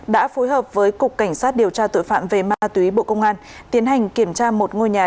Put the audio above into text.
đã phối hợp với cục cảnh sát điều tra tội phạm về ma túy bộ công an tiến hành kiểm tra một ngôi nhà